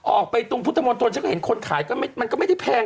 ออกไปตรงทุนพุทธมนตร์ทลผมเห็นคนขายไม่ได้แพง